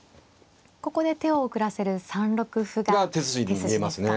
ここで手を遅らせる３六歩が手筋ですか。